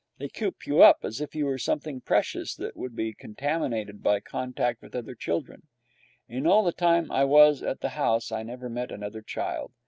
They coop you up, as if you were something precious that would be contaminated by contact with other children. In all the time that I was at the house I never met another child.